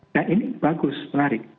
nah ini bagus menarik